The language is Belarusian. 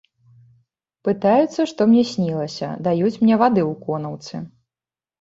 Пытаюцца, што мне снілася, даюць мне вады ў конаўцы.